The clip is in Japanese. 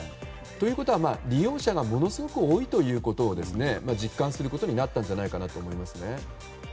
ということは利用者がものすごく多いということを実感することになったんじゃないかと思います。